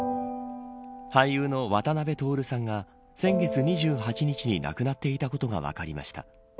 俳優の渡辺徹さんが先月２８日に亡くなっていたことが分かりました。